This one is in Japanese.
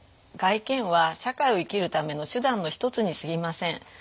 外見は社会を生きるための手段の一つにすぎません。